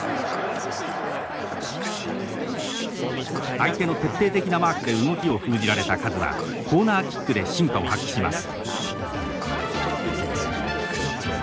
相手の徹底的なマークで動きを封じられたカズはコーナーキックで真価を発揮します。